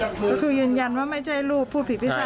ก็คือยืนยันว่าไม่ใช่รูปพูดผิดพิษา